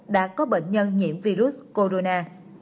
đã có bệnh nhân nhiễm virus corona